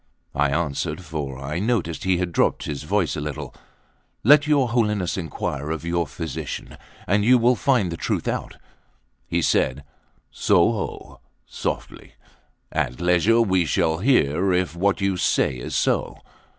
I answered, for I noticed he had dropped his voice a little: "Let your Holiness inquire of your physician, and you will find the truth out." He said: "So ho! softly; at leisure we shall hear if what you say is so."